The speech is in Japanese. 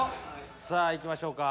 さあいきましょうか。